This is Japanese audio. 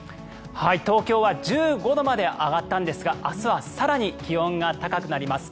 東京は１５度まで上がったんですが明日は更に気温が高くなります。